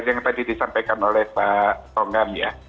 yang tadi disampaikan oleh pak tongam ya